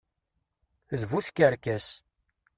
D bu tkerkas.